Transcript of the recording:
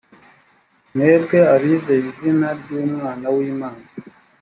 b mwebwe abizeye izina ry umwana w imana